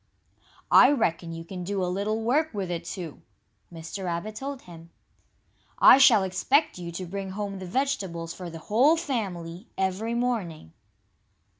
"I reckon you can do a little work with it, too," Mr. Rabbit told him. "I shall expect you to bring home the vegetables for the whole family, every morning."